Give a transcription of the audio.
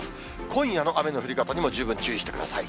今夜の雨の降り方にも十分注意してください。